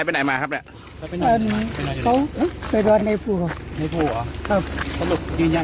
ไม่ใครไม่ใครน้องทิวไม่เคยในภูเขา